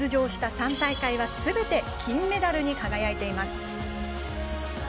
３大会はすべて金メダルに輝いています。